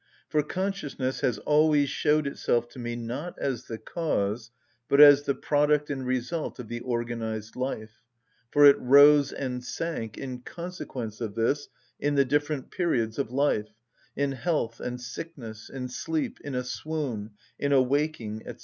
For consciousness has always showed itself to me not as the cause, but as the product and result of the organised life, for it rose and sank in consequence of this in the different periods of life, in health and sickness, in sleep, in a swoon, in awaking, &c.